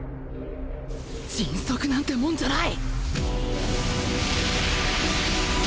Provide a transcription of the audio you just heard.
迅速なんてもんじゃない！